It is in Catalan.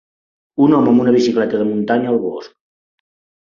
Un home amb una bicicleta de muntanya al bosc.